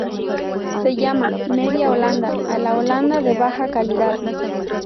Se llama "media holanda" a la holanda de baja calidad.